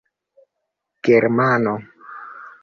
germano